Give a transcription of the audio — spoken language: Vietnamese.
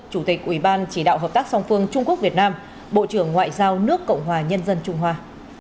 chủ tịch ủy ban chỉ đạo hợp tác song phương trung quốc việt nam bộ trưởng ngoại giao nước cộng hòa nhân dân trung hoa